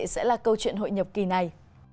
sẽ là câu chuyện hội nhập kỳ này